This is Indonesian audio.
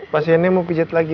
pasiennya mau pijit lagi